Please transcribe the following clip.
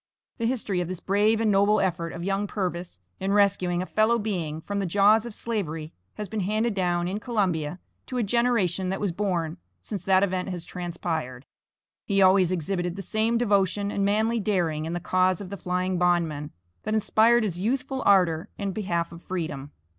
The history of this brave and noble effort of young Purvis, in rescuing a fellow being from the jaws of Slavery has been handed down, in Columbia, to a generation that was born since that event has transpired. He always exhibited the same devotion and manly daring in the cause of the flying bondman that inspired his youthful ardor in behalf of freedom.